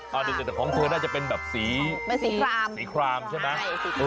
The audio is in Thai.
แต่ของเธอน่าจะเป็นแบบสีสีครามสีครามใช่ไหม